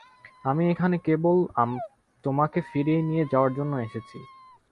আমি এখানে কেবল তোমাকে ফিরিয়ে নিয়ে যাওয়ার জন্য এসেছি।